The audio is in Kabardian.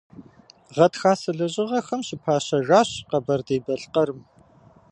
Гъатхасэ лэжьыгъэхэм щыпащэжащ Къэбэрдей-Балъкъэрым.